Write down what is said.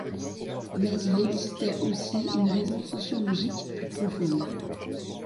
Mais il existait aussi une raison sociologique plus profonde.